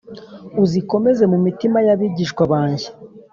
uzikomeze mu mitima y’abigishwa banjye.»